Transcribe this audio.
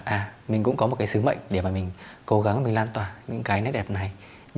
à mình cũng có một cái sứ mệnh để mà mình cố gắng mình lan tỏa những cái nét đẹp này